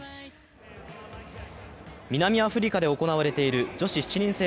南アフリカで行われている女子７人制